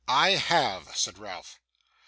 'I have,' said Ralph. 'Mr.